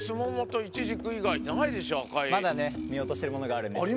まだね見落としてるものがあるんです。